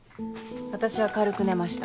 私は軽く寝ました。